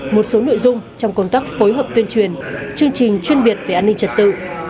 một số nội dung trong công tác phối hợp tuyên truyền chương trình chuyên biệt về an ninh trật tự